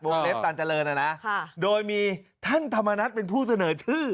เล็บตันเจริญนะนะโดยมีท่านธรรมนัฐเป็นผู้เสนอชื่อ